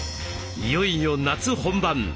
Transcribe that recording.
いよいよ夏本番。